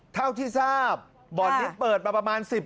เท่าที่ทราบบ่อนนี้เปิดมาประมาณ๑๐